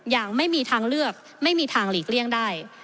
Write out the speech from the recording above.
อย่างไม่มีทางเลือกไม่มีทางหลีกเลี่ยงได้